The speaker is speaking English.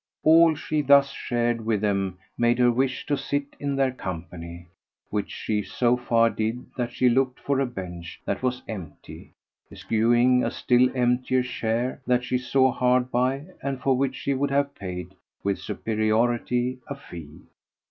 All she thus shared with them made her wish to sit in their company; which she so far did that she looked for a bench that was empty, eschewing a still emptier chair that she saw hard by and for which she would have paid, with superiority, a fee.